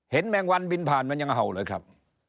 แมงวันบินผ่านมันยังเห่าเลยครับ